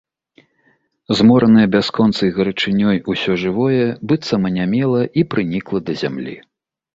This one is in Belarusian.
Зморанае бясконцай гарачынёй усё жывое быццам анямела і прынікла да зямлі.